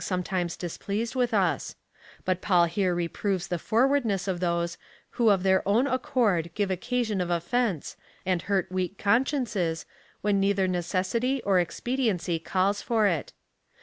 347 sometimes displeased with us ; but Paul liere reproves the forwardness of those, who of their own accord give occasion of offence, and hurt weak consciences, when neither necessity or expediency calls for it.